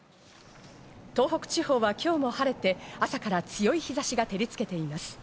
東北地方は今日も晴れて、朝から強い日差しが照りつけています。